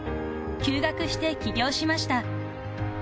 ［休学して起業しました］